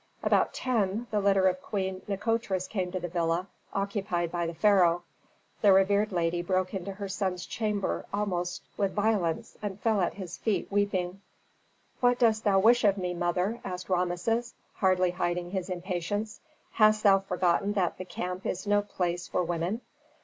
About ten the litter of Queen Nikotris came to the villa occupied by the pharaoh. The revered lady broke into her son's chamber almost with violence, and fell at his feet, weeping. "What dost thou wish of me, mother?" asked Rameses, hardly hiding his impatience. "Hast thou forgotten that the camp is no place for women?"